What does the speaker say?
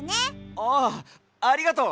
ああありがとう！